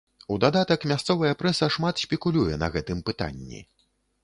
У дадатак, мясцовая прэса шмат спекулюе на гэтым пытанні.